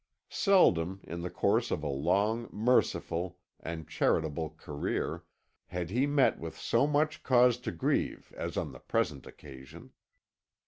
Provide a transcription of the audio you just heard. Seldom, in the course of a long, merciful, and charitable career, had he met with so much cause to grieve as on the present occasion.